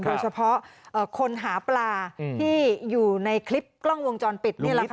โดยเฉพาะคนหาปลาที่อยู่ในคลิปกล้องวงจรปิดนี่แหละค่ะ